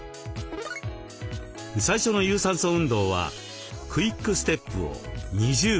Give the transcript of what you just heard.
最初の有酸素運動はクイック・ステップを２０秒。